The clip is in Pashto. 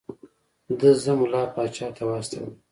ده زه ملا پاچا ته واستولم.